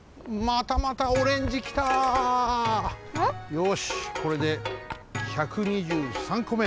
よしこれで１２３こめ。